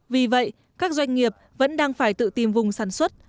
vì vậy các doanh nghiệp vẫn đang phải tự tìm vùng sản xuất